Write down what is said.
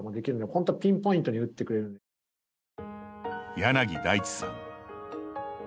柳大地さん。